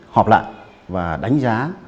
họp lại và đánh giá